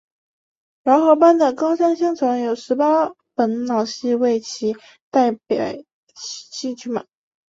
饶河班的高腔相传有十八本老戏为其代表剧码。